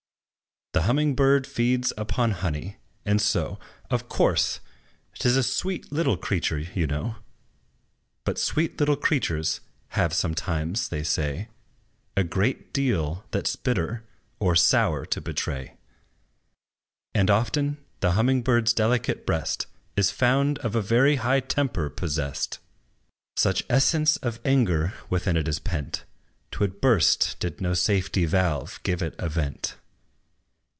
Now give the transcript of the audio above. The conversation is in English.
The humming bird feeds upon honey, and so, Of course, 't is a sweet little creature, you know: But sweet little creatures have sometimes, they say, A great deal that 's bitter or sour to betray. And often the humming bird's delicate breast Is found of a very high temper possessed: Such essence of anger within it is pent, 'T would burst, did no safety valve give it a vent.